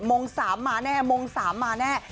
มงสามมาแน่มงสามมาแน่